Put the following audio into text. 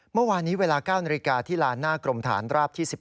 เมื่อวานนี้เวลา๙นาฬิกาที่ลานหน้ากรมฐานราบที่๑๑